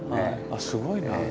あすごいな。